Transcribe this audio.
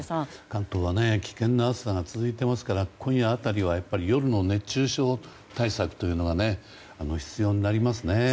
関東は危険な暑さが続いていますから今夜辺りは夜の熱中症対策というのが必要になりますね。